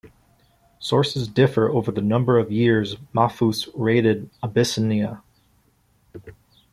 Sources differ over the number of years Mahfuz raided Abyssinia.